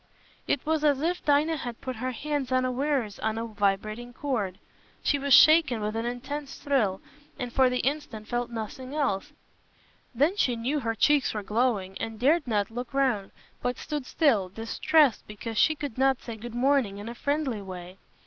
It was as if Dinah had put her hands unawares on a vibrating chord. She was shaken with an intense thrill, and for the instant felt nothing else; then she knew her cheeks were glowing, and dared not look round, but stood still, distressed because she could not say good morning in a friendly way.